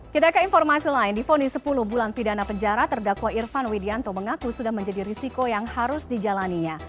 kita ke informasi lain di vonis sepuluh bulan pidana penjara terdakwa irfan widianto mengaku sudah menjadi risiko yang harus dijalaninya